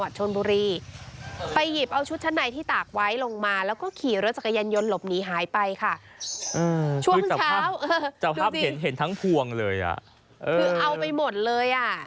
ดูสิคือเอาไปหมดเลยคือเอาไปหมดเลย